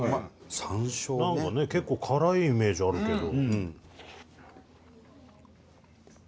何かね結構辛いイメージあるけど。